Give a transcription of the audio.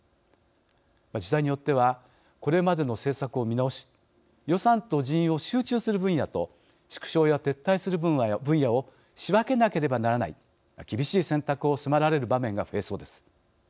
自治体によってはこれまでの政策を見直し予算と人員を集中する分野と縮小や撤退する分野を仕分けなければならない厳しい選択を迫られる場面が増えそうです。